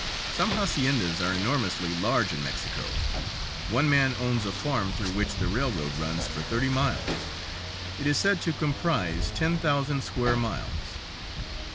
Some haciendas are enormously large in Mexico. One man owns a farm through which the railroad runs for thirty miles. It is said to comprise ten thousand square miles.